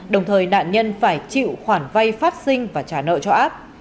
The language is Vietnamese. đồng thời nạn nhân phải chịu khoản vay phát sinh và trả nợ cho app